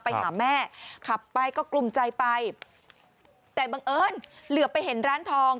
ไปหาแม่ขับไปก็กลุ่มใจไปแต่บังเอิญเหลือไปเห็นร้านทอง